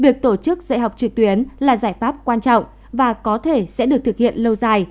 việc tổ chức dạy học trực tuyến là giải pháp quan trọng và có thể sẽ được thực hiện lâu dài